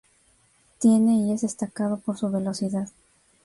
Tiene y es destacado por su velocidad.